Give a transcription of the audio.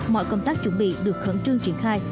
mọi công tác chuẩn bị được khẩn trương triển khai